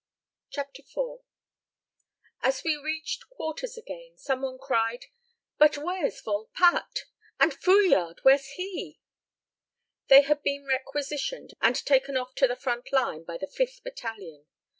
IV Volpatte and Fouillade AS we reached quarters again, some one cried: "But where's Volpatte?" "And Fouillade, where's he?" They had been requisitioned and taken off to the front line by the 5th Battalion.